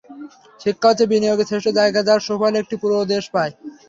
শিক্ষা হচ্ছে বিনিয়োগের শ্রেষ্ঠ জায়গা, যার সুফল একটি পুরো দেশ পায়।